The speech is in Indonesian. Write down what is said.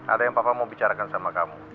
ada yang papa mau bicarakan sama kamu